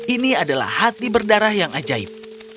ini adalah hati berdarah yang ajaib